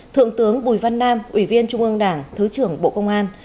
thượng tướng bùi văn nam ủy viên trung ương đảng thứ trưởng bộ công an